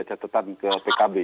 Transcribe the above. catatan ke pkb